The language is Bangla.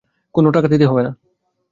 কোনো টাকা দিতে হবে না।